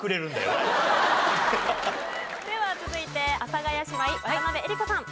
では続いて阿佐ヶ谷姉妹渡辺江里子さん。